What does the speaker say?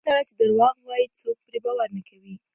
هغه سړی چې درواغ وایي، څوک پرې باور نه کوي.